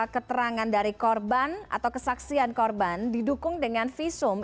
keterangan dari korban atau kesaksian korban didukung dengan visum